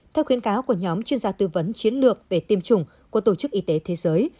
theo khuyến cáo của nhóm chuyên gia tư vấn chiến lược về tiêm chủng của tổ chức y tế thế giới